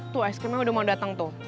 tuh ice creamnya udah mau datang tuh